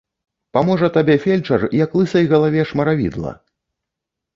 Паможа табе фельчар, як лысай галаве шмаравідла.